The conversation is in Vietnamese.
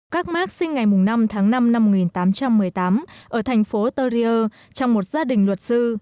các mark sinh ngày năm tháng năm năm một nghìn tám trăm một mươi tám ở thành phố torrier trong một gia đình luật sư